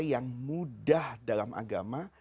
yang mudah dalam agama